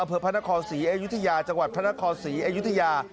พระนครศรีอยุธยาจังหวัดพระนครศรีอยุธยา